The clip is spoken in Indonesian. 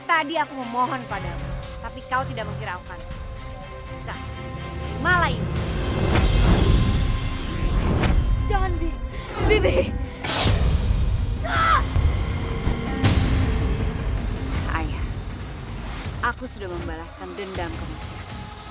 ayah aku sudah membalaskan dendam kemuliaan